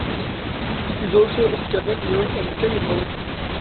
It is also a scavenger and a cannibal.